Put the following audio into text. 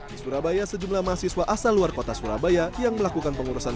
di surabaya sejumlah mahasiswa asal luar kota surabaya yang melakukan pengurusan